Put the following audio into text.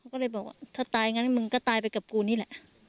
ก็เลยบอกว่าถ้าตายอย่างนั้นมึงก็ตายไปกับกูนี่แหละ